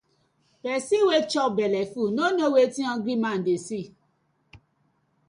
Person wey chop belle full, no know wetin hungry man dey see: